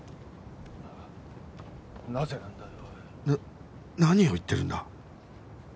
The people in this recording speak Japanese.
な何を言ってるんだ？